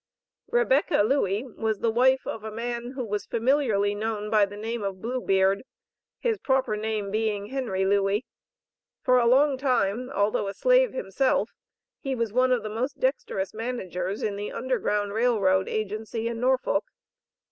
Rebecca Lewey was the wife of a man, who was familiarly known by the name of "Blue Beard," his proper name being Henry Lewey. For a long time, although a slave himself, he was one of the most dexterous managers in the Underground Rail Road agency in Norfolk.